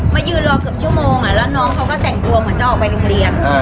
มายืนรอเกือบชั่วโมงแล้วน้องเขาก็แต่งตัวเหมือนจะออกไปโรงเรียน